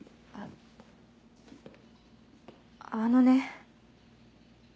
ああのね。